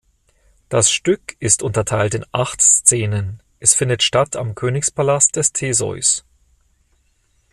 Das Stück ist unterteilt in acht Szenen, es findet statt am Königspalast des Theseus.